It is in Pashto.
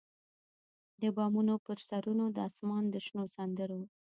د بامونو پر سرونو د اسمان د شنو سندرو،